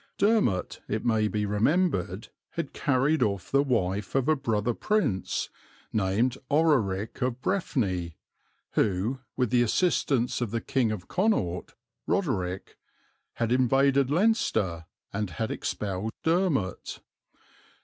Dermot, it may be remembered, had carried off the wife of a brother Prince, named Ororic of Breffny, who, with the assistance of the King of Connaught, Roderic, had invaded Leinster and had expelled Dermot.